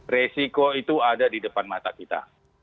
resiko itu ada di depan mata kita